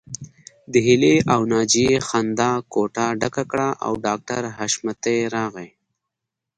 د هيلې او ناجيې خندا کوټه ډکه کړه او ډاکټر حشمتي راغی